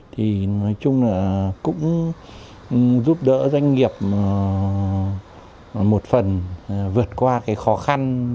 thì nói chung là cũng giúp đỡ doanh nghiệp một phần vượt qua cái khó khăn